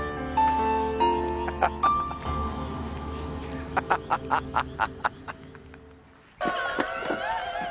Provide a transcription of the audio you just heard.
ハハハハハハハハ！